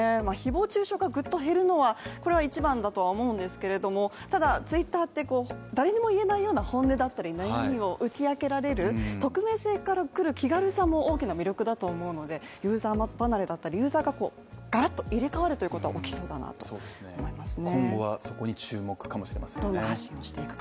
誹謗中傷がぐっと減るのはこれが一番だとは思うんですけれども、ただ、ツイッターって、誰にも言えないような本音だったり悩みを打ち明けられる匿名性からくる気軽さも大きな魅力だと思うのでユーザー離れや、がらっと入れ替わるということが起きそうだなと思いますね。